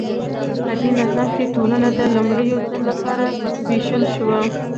په دې نظام کې ټولنه د لومړي ځل لپاره ویشل شوه.